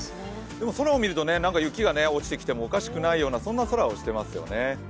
空を見ると、雪が落ちてもおかしくないようなそんな空をしてますよね。